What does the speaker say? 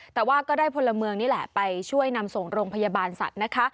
แต่ว่าก็ได้พลเมืองนี่แหละไปช่วยนำส่งโรงพยาบาลสัตว์นะคะ